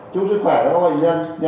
chúc sức khỏe các bệnh nhân nhé